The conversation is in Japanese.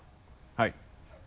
はい。